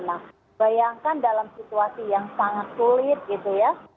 nah bayangkan dalam situasi yang sangat sulit gitu ya